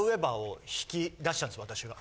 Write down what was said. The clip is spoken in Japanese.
私が。